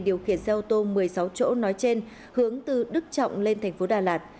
điều khiển xe ô tô một mươi sáu chỗ nói trên hướng từ đức trọng lên thành phố đà lạt